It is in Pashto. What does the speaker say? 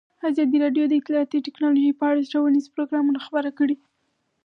ازادي راډیو د اطلاعاتی تکنالوژي په اړه ښوونیز پروګرامونه خپاره کړي.